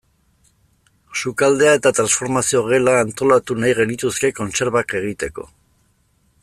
Sukaldea eta transformazio gela antolatu nahi genituzke kontserbak egiteko.